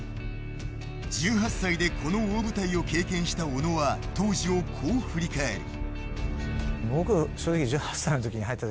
１８歳でこの大舞台を経験した小野は当時をこう振り返る。